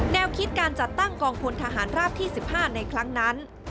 แนวคิดการจัดตั้งกองพลทหารราบที่๑๕ในครั้งนั้น